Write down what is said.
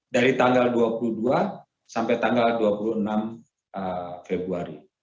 dari tanggal dua puluh dua sampai tanggal dua puluh enam februari